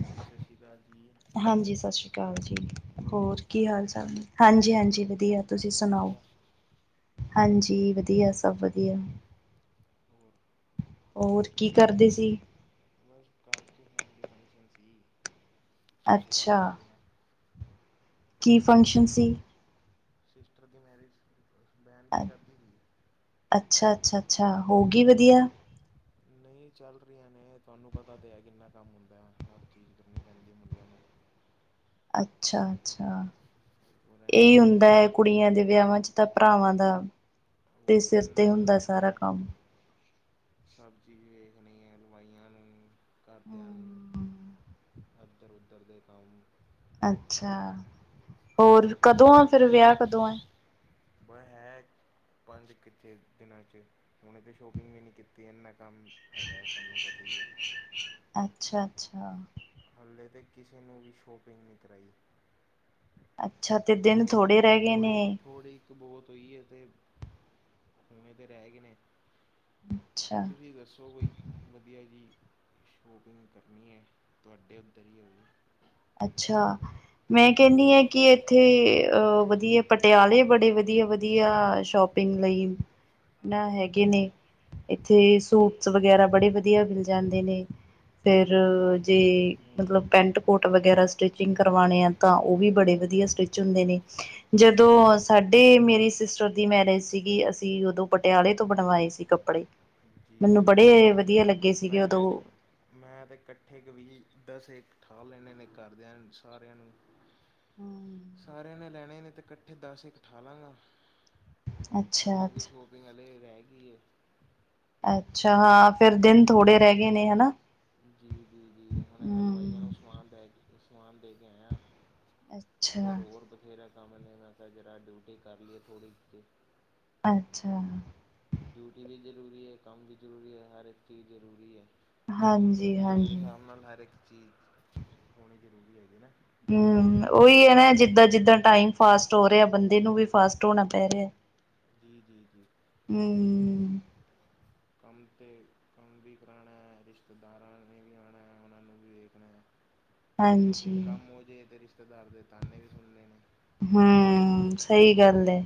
ਹਾਂਜੀ ਸਤਿ ਸ਼੍ਰੀ ਅਕਾਲ ਜੀ ਹਾਂਜੀ, ਸਸ ਸ਼੍ਰੀ ਕਾਲ ਜੀ, ਠੀਕ ਹੋਰ ਕੀ ਠਾਕ ਹਾਲ-ਚਾਲ ਨੇ? ਹਾਂਜੀ-ਹਾਂਜੀ ਵਧੀਆ ਘਰ ਤੁਸੀਂ ਸਭ ਸਣਾਔ, ਵਧੀਆ ਹਾਂਜੀ ਵਧੀਆ ਸਭ ਵਧੀਆ। [unintelligible] ਹੋਰ, ਕੀ ਕਰਦੇ ਸੀ। ਬਸ ਕਰ ਚ ਫੈਮਿਲੀ ਫੰਕਸ਼ਨ ਸੀ, ਔਦੀ ਅੱਛਾ ਤਿਆਰੀਆਂ ਕੀ ਫੰਕਸ਼ਨ ਸੀ। ਸਿਸਟਰ ਦੀ ਮੈਰਿਜ, ਬੈਣ ਕੀ ਸ਼ਾਦੀ ਥੀ। ਅੱਛਾ-ਅੱਛਾ-ਅੱਛਾ, ਹੋ ਗੀ ਵਧੀਆ। ਨਈ ਚੱਲ ਰੀਆਂ ਨੇ, ਤੁਆਨੂੰ ਪਤਾ ਤੇ ਹੈ, ਕਿੰਨਾ ਕੰਮ ਹੁੰਦਾ ਹਰ ਚੀਜ਼ ਕਰਨੀ ਪੈਂਦੀ ਮੁੰਡਿਆਂ ਨੂੰ। ਅੱਛਾ-ਅੱਛਾ, ਹੋਰ ਏਈ ਇਨਾ ਹੁੰਦਾ ਐ, ਇਨ ਕੁੜੀਆਂ ਦੇ ਵਿਆਹਾਂ ਚ। ਤਾਂ ਪਰਾਵਾਂ ਦਾ, ਤੇ ਹੋਰ ਸਿਰ, ਤੇ ਇੰਨਾ ਹੁੰਦਾ ਸਾਰਾ ਕੰਮ। ਸਬਜ਼ੀ ਵੇਖਣੀ ਐ, ਹਲਵਾਈਆਂ ਨੂੰ, ਕਰਦਿਆਂ ਨੂੰ। ਹਮ, ਐਧਰ-ਉੱਧਰ ਦੇ ਕੰਮ। ਅੱਛਾ, ਹੋਰ ਸ਼ੋਪਿੰਗ ਕਦੋਂ ਆ, ਕਰਨੀ ਹੈ। ਫੇਰ ਵਿਆਹ ਕਦੋਂ ਐ। ਬ ਹੈ। ਪੰਜ ਕ ਛੇ ਦਿਨਾਂ 'ਚ, ਹੁਨੇ ਤੇ ਸ਼ੋਪਿੰਗ ਵੀ ਨੀ ਕੀਤੀ, ਏੱਨਾ ਕੰਮ ਹੈਗਾ, ਤੁਆਨੂੰ ਪਤਾ ਈ ਐ। ਅੱਛਾ-ਅੱਛਾ। ਹਲੇ, ਤੇ ਕਿਸੇ ਨੂੰ ਵੀ ਸ਼ੋਪਿੰਗ ਨੀ ਕਰਾਈ। ਅੱਛਾ, ਤੇ ਦਿਨ ਥੋੜੇ ਰਹਿ ਗਏ ਨੇ ਥੋੜ੍ਹੀ-ਥੋੜ੍ਹੀ-ਥੋੜ੍ਹੀ। ਬਹੁਤ ਹੋਈ ਹੈਤੇ ਸੋਣੇ ਤਾਂ ਰਹਿ ਗ ਨੇ। ਅੱਛਾ ਤੁਸੀਂ ਦੱਸੋ ਭਾਈ। ਵਧੀਆ ਜੀ ਸ਼ੋਪਿੰਗ ਕਰਨੀ ਹੈ। ਤੁਹਾਡੇ ਉੱਧਰ ਹੀ ਹੋ ਜਵੇ। ਅੱਛਾ। ਮੈਂ ਕਹਿੰਦੀ ਹਾਂ ਕਿ ਇੱਥੇ ਅ ਵਧੀਆ ਪਟਿਆਲੇ ਬੜੇ ਵਧੀਆ ਵਧੀਆ ਸ਼ੋਪ। ਪਿੰਨ ਲਈ। ਨਾ ਹੈਗੇ ਨੇ ਇੱਥੇ ਸੂਟਸ ਵਗੈਰਾ ਬੜੇ ਵਧੀਆ ਮਿਲ ਜਾਂਦੇ ਨੇ। ਫਿਰ ਜੇ ਮਤਲਬ ਪੈਂਟ ਕੋਟ। ਟ ਵਗੈਰਾ ਸਟਿਚਿੰਗ ਕਰਵਾਉਣੇ ਆ ਤਾਂ ਉਹ ਵੀ ਬੜੇ ਵਧੀਆ ਸਟਿੱਚ ਹੁੰਦੇ ਨੇ। ਜਦੋਂ ਸਾਡੇ ਮੇਰੀ ਸਿਸਟਰ ਦੀ ਮੈਰਿਜ ਸੀਗੀ ਅਸੀਂ ਉਦੋਂ ਪਟਿਆਲੇ ਤੋਂ ਬਣਵਾਏ ਸੀ ਕੱਪੜੇ। ਪੜ੍ਹੀ। ਜੀ ਜੀ ਜੀ ਸੀਗੇ ਮੈਂ ਤੇ। ਉਦੋਂ ਮੈਂ ਤਾਂ ਇਕੱਠੇ ਕ ਵੀ ਦਸੇ ਠਾਹ ਲੈਂਦੇ ਨੇ ਘਰਦਿਆਂ ਸਾਰਿਆਂ ਨੂੰ। ਸਾਰਿਆਂ ਨੇ ਲੈਣੇ ਨੇ ਅਤੇ ਇਕੱਠੇ ਦਸ ਇਕ ਠਾ ਲਾਂਗਾ। ਐਨ ਅੱਛਾ ਮੇਰੀ ਅੱਛਾ ਸ਼ੋਪਿੰਗ ਹਲੇ ਰਹਿ ਗਈ ਹੈ। ਅੱਛਾ ਹਾਂ ਫਿਰ ਦਿਨ ਥੋੜੇ ਰਹਿ ਗਏ ਨੇ ਹਨਾ। ਜੀ ਜੀ ਜੀ ਹੁਣ ਹਲਵਾਈਆਂ ਹੂੰ, ਨੂੰ ਸਮਾਨ ਦੇ ਕੇ ਸਮਾਨ ਦੇ ਕੇ ਆਇਆ। ਅੱਛਾ, ਫੇਰ ਹੋਰ ਬਥੇਰਾ ਕੰਮ ਲ ਮੈਂ ਕਿਹਾ ਜਰਾ ਡਿਊਟੀ ਕਰ ਲਈਏ ਥੋੜ੍ਹੀ ਜੀ ਅੱਛਾ। ਡਿਊਟੀ ਵੀ ਜ਼ਰੂਰੀ ਹੈ। ਕੰਮ ਵੀ ਜ਼ਰੂਰੀ ਹੈ। ਹਰ ਇੱਕ ਚੀਜ਼ ਜ਼ਰੂਰੀ ਹੈ। ਟੈਮ ਦੇ ਹਾਂਜੀ-ਹਾਂਜੀ। ਹਿਸਾਬ ਨਾਲ ਹਰ ਇੱਕ ਚੀਜ਼ ਹੋਣੀ ਜ਼ਰੂਰੀ ਹੈਗੀ ਨਾ। ਹਮ ਉਹੀ ਹੈ ਨਾ ਜਿੱਦਾਂ ਜਿੱਦਾਂ ਟਾਈਮ ਫਾਸਟ ਹੋ ਰਿਹਾ ਬੰਦੇ ਨੂੰ ਵੀ ਫਾਸਟ ਹੋਣਾ ਪੈ ਰਿਹਾ। ਜੀ ਜੀ ਜੀ ਬਿਲਕੁਲ ਜੀ। ਹੂੰ, ਕੰਮ 'ਤੇ ਕੰਮ ਵੀ ਕਰਾਣਾ ਹੈ। ਰਿਸ਼ਤੇਦਾਰਾਂ ਨੇ ਵੀ ਆਣਾ ਹੈ। ਉਹਨਾਂ ਨੂੰ ਵੀ ਵੇਖਣਾ ਹੈ। - [inaudible] ਅਤੇ ਜੇ ਕੰਮ ਹੋ ਜੇ ਤਾਂ ਰਿਸ਼ਤੇਦਾਰ ਦੇ ਤਾਹਨੇ ਵੀ ਸੁਣ ਲੈਣੇ। ਹਮ ਸਹੀ ਗੱਲ ਹ।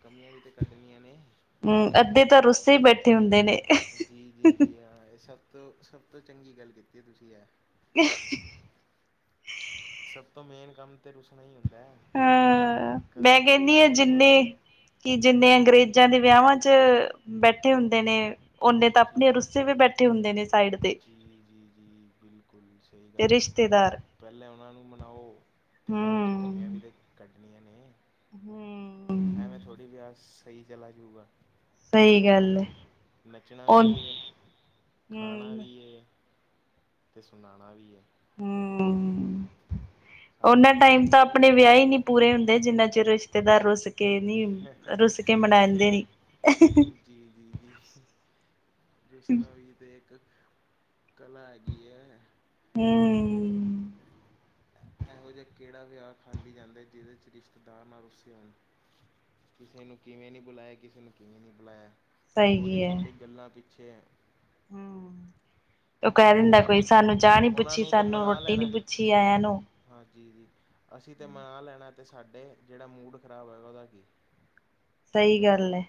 ਕਮੀਆਂ ਵੀ ਤੇ ਕੱਢਣੀਆਂ ਨੇ। ਹਮ ਅੱਧੇ ਤਾਂ ਰੁੱਸੇ ਹੀ ਬੈਠੇ ਹੁੰਦੇ ਨੇ। ਜਾਂ ਇਹ ਸਭ। ਤ ਸਭ ਤੋਂ ਚੰਗੀ ਗੱਲ ਕੀਤੀ ਹੈ। ਤੁਸੀਂ ਐਹ। ਹੇ। ਸਭ ਤੋਂ ਮੇਨ ਕੰਮ ਤੇ ਰੁਸਣਾ ਹੀ ਹੁੰਦਾ ਹੈ। ਹਾ ਕਦੇ ਮੈਂ ਕੋਈ ਕਹਿੰਦੀ ਹਾਂ ਕਦੇ ਜਿੰਨੇ। ਕੋਈ ਕਿ ਜਿੰਨੇ ਅੰਗਰੇਜ਼ਾਂ ਦੇ ਵਿਆਾਂਵਾ ਚ ਬੈਠੇ ਹੁੰਦੇ ਨੇ। ਓਨੇ ਤਾਂ ਜੀ ਆਪਣੇ ਜੀ ਰੁੱਸੇ ਵੀ ਬੈਠੇ ਹੁੰਦੇ ਨੇ ਸਾਈਡ ਤੇ ਜੀ ਜੀ ਜੀ ਬਿਲਕੁਲ ਸਹੀ ਤੇ ਰਿਸ਼ਤੇ। ਗੱਲ ਹੈ ਰਿਸ਼ਤੇਦਾਰ। ਪਹਿਲਾਂ ਉਹਨਾਂ ਨੂੰ ਮਨਾਓ ਅਤੇ ਬਾਅਦ 'ਚ ਕਮੀਆਂ ਵੀ ਤੇ ਕੱਢਣੀਆਂ ਨੇ ਹਮ। ਐਵੇ ਥੋੜੀ ਵਿਆਹ ਸਹੀ ਚਲਾ ਜਾਊਗਾ। ਸਹੀ ਗੱਲ ਹੈ ਨੱਚਣਾ ਉਹ ਵੀ ਏ। ਖਾਣਾ ਹਮ ਵੀ ਏ ਤੇ ਸੁਨਾਣਾ ਵੀ ਐ। ਹਮ, ਸਾਰੇ ਉਨਾਂ ਕੰਮ ਟਾਈਮ ਇਕੱਠੇ ਤਾਂ ਕਰਨੇ ਆਪਣੇ ਨਾ ਵਿਆਹ ਈ ਨੀ। ਪੂਰੇ ਹੁੰਦੇ ਜਿੰਨਾ ਚਿਰ ਰਿਸ਼ਤੇਦਾਰ ਰੁਸ ਕੇ ਨੀ ਰੁਸ ਕੇ ਮਨਾਦੇ ਨੀ। ਹਾਹਾਹਾਹਾ ਜੀ, ਜੀ, ਜੀ। ਰੁਸਨਾ ਵੀ ਤੇ ਇੱਕ ਕਲਾ ਹੈਗੀ ਐ। ਹਮ। ਇਹੋ ਜਿਹਾ ਕਿਹੜਾ ਵਿਆਹ ਖਾਲੀ ਜਾਂਦਾ ਐ, ਜਿਹਦੇ ਵਿੱਚ ਰਿਸ਼ਤੇਦਾਰ ਨਾ ਰੁੱਸੇ ਹੋਣ। ਕਿਸੇ ਨੂੰ ਕਿਵੇਂ ਨਹੀਂ ਬੁਲਾਇਆ, ਕਿਸੇ ਨੂੰ ਕਿਵੇਂ ਨਹੀਂ ਬੁਲਾਇਆ। ਸਹੀ ਛੋਟੀ- ਹੈ ਛੋਟੀ ਗੱਲਾਂ ਪਿੱਛੇ। ਹਮ ਉਹ ਕਹਿ ਦਿੰਦਾ ਉਹਨਾਂ ਕੋਈ ਸਾਨੂੰ ਚਾਹ ਨੀ ਉਹਨਾਂ ਪੁੱਛੀ, ਨੂੰ ਤਾਂ ਸਾਨੂੰ ਮਨਾ ਰੋਟੀ ਲੈਣਾ ਨੀ ਪੁੱਛੀ ਆਇਆ ਨੂੰ। ਹਾਂਜੀ ਜੀ, ਅਸੀਂ ਤਾਂ ਮਨਾ ਲੈਣਾ ਅਤੇ ਸਾਡੇ ਜਿਹੜਾ ਮੂਡ ਖ਼ਰਾਬ ਹੋਇਆ ਉਹਦਾ ਕੀ। ਸਹੀ ਗੱਲ ਐ।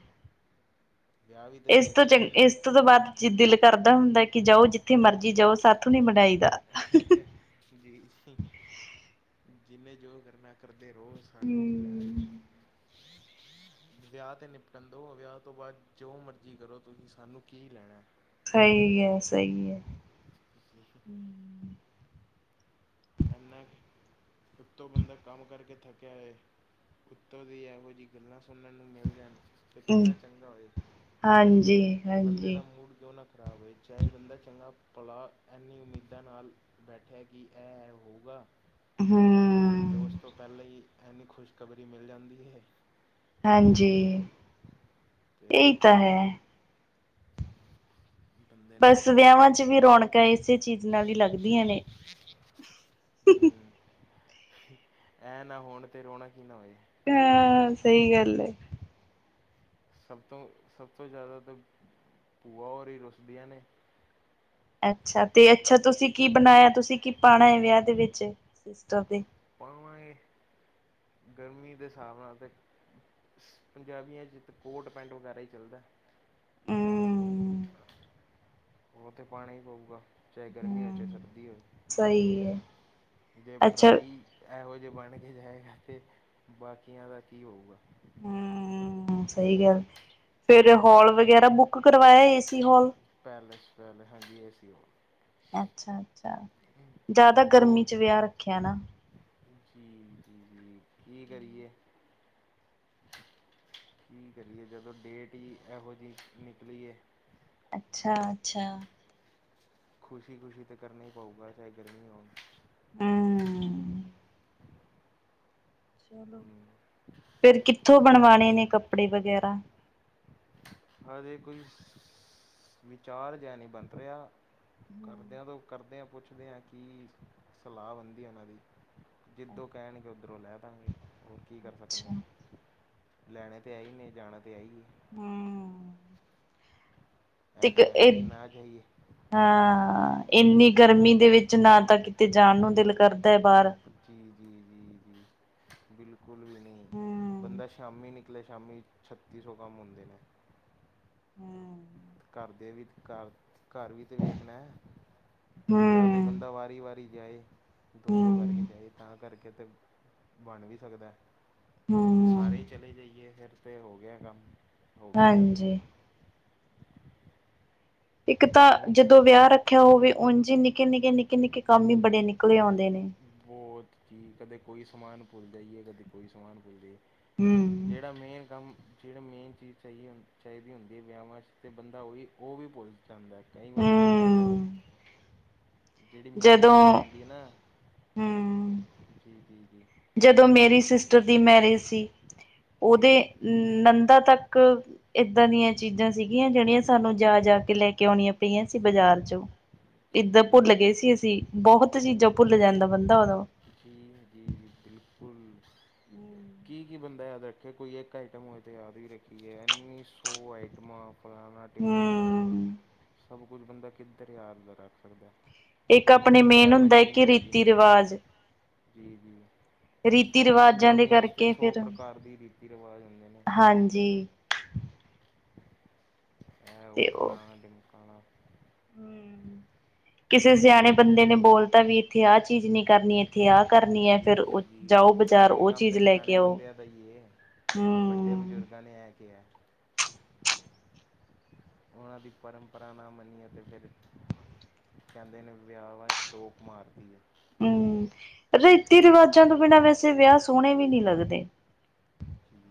ਵਿਆਹ ਵੀ ਤਾਂ ਇਸ ਤੋਂ ਵੇਖਣਾ ਚੰਗਾ, ਇਸ ਤੋਂ, ਤੋਂ ਬਾਅਦ ਦਿਲ ਕਰਦਾ ਹੁੰਦਾ ਕਿ ਜਾਓ ਜਿੱਥੇ ਮਰਜ਼ੀ ਜਾਓ ਸਾਥੋ ਨਹੀਂ ਮਣਾਈ ਦਾ ਜੀ, ਜਿੰਨੇ ਜੋੋ ਕਰਨਾ। ਕਰਦੇ ਰੋ ਸਾਨੂੰ ਕੀ ਲੈਣਾ। ਹਮ ਵਿਆਹ ਤੇ ਨਿਪਟਣ ਦਿਉ, ਵਿਆਹ ਤੋਂ ਬਾਅਦ ਜੋ ਮਰਜ਼ੀ ਕਰੋ ਤੁਸੀਂ, ਸਾਨੂੰ ਕੀ ਲੈਣਾ ਐ। ਸਹੀ ਐ, ਸਹੀ ਐ। ਇੰਨਾ, ਉਤੋਂ ਬੰਦਾ ਕੰਮ ਕਰਕੇ ਥੱਕਿਆ ਐ। ਉਤੋਂ ਦੀ ਇਹੋ ਜਿਹੀ ਗੱਲਾਂ ਸੁਣਨ ਨੂੰ ਮਿਲ ਜਾਣ। ਅਤੇ ਹਮ ਕਿੰਨਾ ਚੰਗਾ ਹੋਏ, ਹਾਂਜੀ, ਬੰਦੇ ਹਾਂਜੀ ਦਾ ਮੂਡ ਕਿਉਂ ਨਾ ਖ਼ਰਾਬ ਹੋਏ, ਚਾਹੇ ਬੰਦਾ ਚੰਗਾ ਭਲਾ ਇਨੀ ਉਮੀਦਾਂ ਨਾਲ ਬੈਠਿਆ ਕਿ ਐ ਹੋਊਗਾ। ਹਮ। ਤੇ ਉਸ ਤੋਂ ਪਹਿਲਾਂ ਈ ਇੰਨੀ ਖੁਸ਼ਖਬਰੀ ਮਿਲ ਜਾਂਦੀ ਐ। ਹਾਂਜੀ, ਅਤੇ ਇਹੀ ਤਾਂ ਹੈ। ਬੰਦੇ ਨੂੰ ਬਸ ਵਿਆਹਾਂ ਚ ਵੀ ਰੌਣਕਾਂ ਇਸੇ ਚੀਜ਼ ਨਾਲ ਈ ਲੱਗਦੀਆਂ ਨੇ, ਹੀਹੀਹੀਹੂ ਐ ਨਾ ਹੋਣ ਤੇ ਰੋਣਕੀ ਨਾ ਹੋਏ। ਹਾਂ, ਸਹੀ ਗੱਲ ਐ। ਸਭ ਤੋਂ, ਸਭ ਤੋਂ ਜ਼ਿਆਦਾ ਤਾਂ ਭੂਆ ਔਰ ਈ ਰੁਸਦੀਆਂ ਨੇ ਅੱਛਾ ਤੇ ਅੱਛਾ ਤੁਸੀਂ ਕੀ ਬਣਾਇਆ ਤੁਸੀਂ ਕੀ ਪਾਣਾ ਐ ਵਿਆਹ ਦੇ ਵਿੱਚ ਸਿਸਟਰ ਦੇ ਪਾਵਾਂਗੇ, ਗਰਮੀ ਦੇ ਹਿਸਾਬ ਨਾਲ ਤੇ ਪੰਜਾਬੀਆਂ 'ਚ ਤਾਂ ਕੋਟ -ਪੈਂਟ ਵਗੈਰਾ ਈ ਚੱਲਦਾ। ਹੂੰ ਉਅ ਤੇ ਪਾਣਾ ਈ ਪਊਗਾ ਚਾਹੇ ਗਰਮੀ ਹੋਵੇ, ਚਾਹੇ ਹੂੰ ਸਰਦੀ ਹੋਵੇ। ਸਹੀ ਐ। ਜੇ ਪਰਾਈ ਇਹੋ ਜਿਹੇ ਬਣ ਕੇ ਜਾਏਗਾ ਤੇ ਬਾਕੀਆਂ ਦਾ ਕੀ ਹੋਊਗਾ। ਹਮ, ਸਹੀ ਗੱਲ ਫਿਰ ਹੋਲ ਵਗੈਰਾ ਬੁੱਕ ਕਰਵਾਇਆ, ਏਸੀ ਹੋਲ। ਪੈਲੇਸ, ਪੈਲੇ ਹਾਂਜੀ, ਏ ਸੀ ਹੋਲ। ਅੱਛਾ, ਅੱਛਾ ਜ਼ਿਆਦਾ ਗਰਮੀ ਦੋ ਚ ਵਿਆਹ ਰੱਖਿਆ ਨਾ। ਜੀ, ਜੀ, ਕੀ ਕਰੀਏ। ਕੀ ਕਰੀਏ ਜਦੋਂ ਡੇਟ ਈ ਇਹੋ ਜਿਹੀ ਨਿਕਲੀਏ। ਅੱਛਾ, ਅੱਛਾ। ਖੁਸ਼ੀ -ਖੁਸ਼ੀ ਤਾਂ ਕਰਨਾ ਈ ਪਓਗਾ ਚਾਹੇ ਗਰਮੀਆ ਹੋਣ। ਹਮ। ਚੱਲੋ, ਫੇਰ ਕਿੱਥੋਂ ਬਣਵਾਣੇ ਨੇ ਕੱਪੜੇ ਵਗੈਰਾ? ਹਜੇ ਕੋਈ ਵਿਚਾਰ ਜੇਆ ਨਈ ਬਣਥ ਰੇਆ। ਕਰਦੇ ਹੂੰ ਰਓ, ਕਰਦੇ ਆਂ ਕੁੱਛ। ਪੁੱਛਦੇ ਆ ਕੀ ਸਲਾਹ ਬਣਦੀ ਓਨਾਂ ਦੀ, ਜਿੱਦੋਂ ਕੈਣਗੇ ਓਧਰੋਂ ਲੈ ਦਾਂਗੇ ਹੋਰ ਕੀ ਕਰ ਸਕਦੇ ਅੱਛਾ ਆ, ਲਿਆਣੇ ਤਾਂ ਹੈ ਈ ਆ, ਜਾਣਾ ਤਾਂ ਹੈ ਈ ਆ। ਹੁ ਹਮ ਤਿਕ ਏਹ ਹਾਂ ਏਨੀ ਗਰਮੀ ਦੇ ਵਿੱਚ ਨਾ ਤਾਂ ਕਿਤੇ ਜਾਣ ਨੂੰ ਦਿਲ ਕਰਦਾ ਏ ਬਾਰ ਜੀ- ਜੀ- ਜੀ- ਜੀ ਬਿਲਕੁਲ ਵੀ ਨਈ ਹੂੰ ਬੰਦਾ ਸ਼ਾਮੀ ਨਿਕਲੇ ਸ਼ਾਮੀ ਛੱਤੀ ਸੌ ਕੰਮ ਹੁੰਦੇ ਨੇ ਹਮ। ਘਰਦੇ ਵੀ ਤ ਘਰ- ਘਰ ਵੀ ਤਾਂ ਵੇਖਣਾ। ਜਾਂ ਤੇ ਹੂੰ ਬੰਦਾ ਵਾਰੀ -ਵਾਰੀ ਜਾਏ ਦੋ -ਦੋ ਕਰਕੇ। ਹੂੰ ਜਾ ਤਾਂ ਕਰਕੇ ਤੇ ਬਣ ਵੀ ਸਕਦਾ ਤੇ ਸਾਰੇ ਹੂੰ ਚਲੇ ਜਾਈਏ ਫਿਰ ਤਾਂ ਹੋ ਗੇਆ ਕੰਮ ਹੋ ਗਈ ਸ਼ਾਦੀ। ਹਾਂਜੀ ਇੱਕ ਤਾਂ ਤੁਹਾਨੂੰ ਜਦੋਂ ਵਿਆਹ ਰੱਖੇਆ ਹੋਵੇ ਓਝ ਈ ਨਿੱਕੇ- ਨਿੱਕੇ- ਨਿੱਕੇ- ਨਿੱਕੇ ਕੰਮ ਈ ਬੜੇ ਨਿਕਲੇ ਆਓਂਦੇ ਨੇ। ਬੋਤ, ਜੀ ਕਦੇ ਕੋਈ ਸਮਾਨ ਭੁੱਲ ਜਾਈਏ ਕਦੇ ਕੋਈ ਸਮਾਨ ਭੁੱਲ ਜਾਈਏ। ਹੂੰ ਜੇੜਾ ਮੇਨ ਕੰਮ ਜੇੜਾ ਮੇਨ ਚੀਜ਼ ਚਾਈ ਚਾਈਦੀ ਹੁੰਦੀ ਵਿਆਹਵਾਂ ਚ ਤੇ ਬੰਦਾ ਓਹੀ ਓਹ ਵੀ ਭੁੱਲ ਜਾਂਦਾ, ਕਈ ਵਾਰੀ ਵੇਖੇਆ ਮੈਂ- ਹੂੰ ਜੇੜੀ ਮੇਨ ਜਦੋਂ ਚੀਂਜ਼ ਹੁੰਦੀ ਨਾ, ਹੂੰ ਜੀ- ਜੀ- ਜੀ ਜਦੋਂ ਮੇਰੀ ਸਿਸਟਰ ਦੀ ਮੈਰਿਜ ਸੀ ਓਦੇ ਜੀ ਨੰਦਾ ਤੱਕ ਏਦਾਂ ਦੀਆਂ ਚੀਜ਼ਾਂ ਸੀਗੀਆਂ ਜੇੜੀਆਂ ਸਾਨੂੰ ਜਾ- ਜਾ ਕੇ ਲੈ ਕੇ ਲਿਓਣੀਆਂ ਪਈਆਂ ਸੀ ਬਾਜ਼ਾਰ ਚੋਂ, ਏਦਾ ਜੀ ਭੁੱਲ ਜੀ ਗਏ ਸੀ ਅਸੀਂ। ਬੋਹਤ ਚੀਜ਼ਾਂ ਭੁੱਲ ਜਾਂਦਾ ਬੰਦਾ ਓਦੋਂ। ਜੀ -ਜੀ ਬਿਲਕੁਲ। ਕੀ -ਕੀ ਬੰਦਾ ਯਾਦ ਰੱਖੇ, ਕੋਈ ਇੱਕ ਆਈਟਮ ਹੋਏ ਤੇ ਯਾਦ ਵੀ ਰੱਖੇ, ਏਨੀ ਸੌ ਆਈਟਮਾਂ ਫਲਾਨਾ ਟਿਮਕਾਣਾ, ਹੂੰ ਸਭ ਕੁਝ ਬੰਦਾ ਕਿੱਧਰ ਯਾਦ ਦਾ ਰੱਖ ਸਕਦਾ। ਇੱਕ ਆਪਣੇ ਬੰਦਾ ਮੇਨ ਹੈ ਹੁੰਦਾ ਮਸ਼ੀਨ ਕਿ ਤੇ ਹੈਗੀ ਰੀਤੀ ਨੀ। ਰਿਵਾਜ ਜੀ -ਜੀ ਰੀਤੀ ਸੌ ਰਿਵਾਜਾਂ ਦੇ ਪੰਜਾਬੀਆਂ 'ਚ ਤੇ ਕਰਕੇ ਸੌ ਫਿਰ ਪ੍ਰਕਾਰ ਦੇ ਰੀਤੀ ਰਿਵਾਜ਼ ਹੁੰਦੇ ਨੇ। ਹਾਂਜੀ। ਏ, ਓ ਫਲਾਣਾ ਡਿਮਕਾਣਾ। ਹਮ ਕਿਸੇ ਸਿਆਣੇ ਬੰਦੇ ਨੇ ਬੋਲਤਾ ਵੀ ਏਥੇ ਆਹ ਚੀਜ਼ ਨੀ ਕਰਨੀ ਏਥੇ ਆਹ ਕਰਨੀ ਐ, ਜੀ ਫਿਰ ਜੀ ਓ ਜਾਓ ਬਾਜ਼ਾਰ ਓ ਚੀਜ਼ ਲੈ ਕੇ ਆਓ। ਬਈਏ ਵੱਡੇ ਹੂੰ, ਬਜ਼ੁਰਗਾਂ ਨੇ ਆ ਕੇਹਾ। ਓਨਾਂ ਦੀ ਪਰੰਪਰਾ ਨਾ ਮਨੀਏ ਤੇ ਫਿਰ ਕੇਂਦੇ ਨੇ ਵਿਆਵਾ ਚ ਟੋਕ ਮਾਰਤੀ ਆ। ਹਮ--ਰੀਤੀ ਰਿਵਾਜਾਂ ਤੋਂ ਬਿਨਾਂ ਵੈਸੇ ਵਿਆਹ ਸੋਹਣੇ ਵੀ ਨਈ ਲੱਗਦੇ। ਹਮ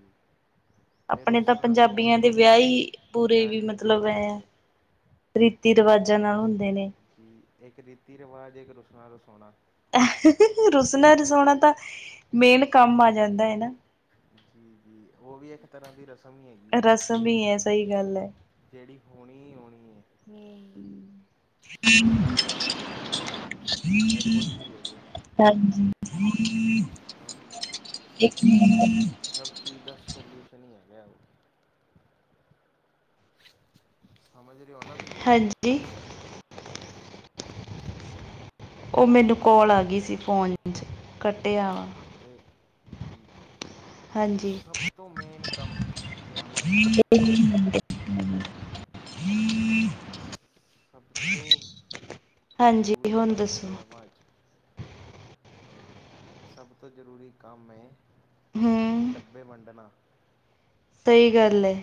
ਆਪਣੇ ਤਾਂ ਪੰਜਾਬੀਆਂ ਦੇ ਵਿਆਹ ਈ ਪੂਰੇ ਵਿਆਹ ਵੀ ਨਹੀਂ ਮਤਲਬ ਚੰਗੇ ਐ ਆ। ਲੱਗਦੇ ਰੀਤੀ ਰੀਵਾਜਾਂ ਨਾਲ ਹੁੰਦੇ ਨੇ। ਕਿ ਇੱਕ ਰੀਤੀ ਰੀਵਾਜ਼ ਇੱਕ ਰੁਸਨਾ -ਰਸੋਨਾ। ਰੁਸਣਾ ਰਸੋਉਣਾ ਤਾਂ ਮੇਨ ਕੰਮ ਆ ਜਾਂਦਾ ਹੈ ਨਾ। ਜੀ -ਜੀ ਉਹ ਵੀ ਇੱਕ ਤਰ੍ਹਾਂ ਦੀ ਰਸਮ ਹੀ ਹੈਗੀ ਏ। ਰਸਮ ਹੀ ਹੈ ਸਹੀ ਗੱਲ ਜਿਹੜੀ ਹੋਣੀ ਹੀ ਹੋਣੀ ਏ। ਹਮ। ਜਿਹੜੀ ਹਰ ਵਿਆਹਵਾਂ ਚ ਹੋਣੀ- ਹੋਣੀ ਏ, ਚਾਹੇ ਕੁਛ ਵੀ ਹੋ ਜਾਵੇ। ਹਾਂਜੀ। ਇੱਕ ਮਿੰਟ ਸਭ ਚੀਜ਼ ਦਾ ਸੋਲਿਊਸ਼ਨ ਹੀ ਹੈਗਾ ਉਹ। ਸਮਝ ਰਹੇ ਹੋ ਨਾ ਤੁਸੀਂ। ਹਾਂਜੀ। ਉਹ ਮੈਨੂੰ ਕੋਲ ਆ ਗਈ ਤੇ ਸੀ ਫੋਨ ਚ, ਕੱਟਿਆ ਵਾ। ਤੇ ਕੀ ਇਹ ਹਾਂਜੀ, ਸਭ ਤੋਂ ਮੇਨ ਕੰਮ ਵਿਆਹਾਂ 'ਚ [unintelligible] ਸਭ ਤੋਂ ਹਾਂਜੀ ਜ਼ਰੂਰੀ ਹੁਣ ਕੰਮ ਹੈ ਦੱਸੋ ਵਿਆਹਵਾਂ ਚ ਸਭ ਤੋਂ ਜ਼ਰੂਰੀ ਕੰਮ ਏ, ਹੂੰ ਡੱਬੇ ਵੰਡਣਾ ਸਹੀ ਗੱਲ ਏ,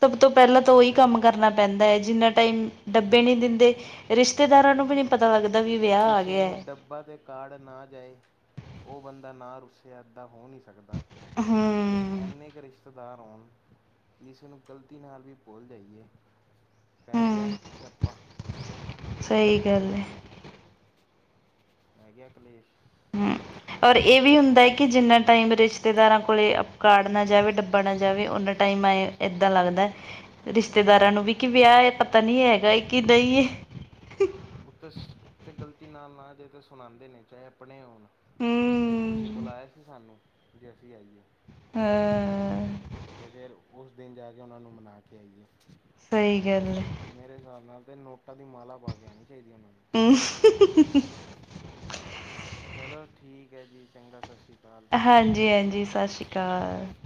ਸਭ ਤੋਂ ਪਹਿਲਾਂ ਤਾਂ ਉਹੀ ਕਰਮ ਕੰਮ ਕਰਨਾ। ਪੈਂਦਾ ਏ, ਜਿੰਨਾ ਟਾਈਮ ਡੱਬੇ ਜੀ ਨਹੀਂ ਦਿੰਦੇ ਰਿਸ਼ਤੇਦਾਰਾਂ ਨੂੰ ਵੀ ਨੀ ਪਤਾ ਲੱਗਦਾ, ਵੀ ਜੀ ਵਿਆਹ ਆ ਕਿਸੇ ਗਿਆ ਨੂੰ ਹੈ। ਡੱਬਾ ਤੇ ਕਾਰਡ ਨਾ ਜਾਏ, ਉਹ ਬੰਦਾ ਨਾ ਰੁੱਸਿਆ, ਐਦਾਂ ਹੋ ਨਹੀਂ ਸਕਦਾ। ਜੇ ਹੂੰ ਐਨਾ ਕਰੀਸ਼ ਰਿਸ਼ਤੇਦਾਰ ਹੋਣ, ਕਿ ਇਸੇ ਨੂੰ ਗਲਤੀ ਨਾਲ ਵੀ ਭੁਲ ਜਾਈਏ ਪੈ ਗਿਆ ਹੂੰ ਸਿਆਪਾ। ਸਹੀ ਗੱਲ ਏ। ਪੈ ਗਿਆ ਕਲੇਸ਼। ਹਮ, ਔਰ ਇਹ ਵੀ ਹੁੰਦਾ ਹੈ ਕਿ ਅਤੇ ਜਿੰਨਾ ਟਾਈਮ ਰਿਸ਼ ਰਿਸ਼ਤੇਦਾਰਾਂ ਕੋਲ ਅਪ ਕਾਡ ਨਾ ਜਾਵੇ, ਡੱਬਾ ਨਾ ਜਾਵੇ, ਓਨਾ ਟਾਈਮ ਆ ਏਦਾਂ ਲੱਗਦਾ ਰਿਸ਼ਤੇਦਾਰਾਂ ਨੂੰ ਵੀ ਕਿ ਵਿਆਹ ਏ, ਪਤਾ ਨੀ ਹੈਗਾ ਕਿ ਨਹੀਂਏ। ਉੱਤੇ- ਉਤੇ ਗ਼ਲਤੀ ਨਾਲ ਨਾ ਜਾਏ ਤਾਂ ਸੁਣਾਉਂਦੇ ਨੇ, ਚਾਹੇ ਆਪਣੇ ਹੋਣ। ਤੁਸੀਂ ਹੂੰ ਬੁਲਾਇਆ ਸੀ ਸਾਨੂੰ, ਕਿ ਜੇ ਅਸੀਂ ਆਈਏ। ਹਾਂ ਤੇ, ਫਿਰ ਉਸ ਦਿਨ ਜਾ ਕੇ ਉਹ ਨੂੰ ਮਨਾ ਕੇ ਆਈਏ। ਸਹੀ ਗੱਲ। ਮੇਰੇ ਹਿਸਾਬ ਨਾਲ ਤੇ ਨੋਟਾਂ ਦੀ ਮਾਲਾ ਪਾ ਕੇ ਆਣੀ ਚਾਹੀਦੀ ਉਹਨਾਂ ਨੂੰ। ਹਮ। ਚਲੋ ਠੀਕ ਹੈ ਜੀ, ਚੰਗਾ ਸਤ ਹਾਂਜੀ- ਹਾਂਜੀ, ਸਤਿ ਸ਼੍ਰੀ ਅਕਾਲ। ਠੀਕ ਏ।